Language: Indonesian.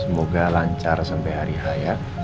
semoga lancar sampe hari raya